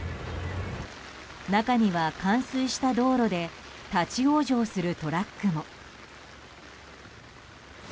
中には冠水した道路で立ち往生するトラックも。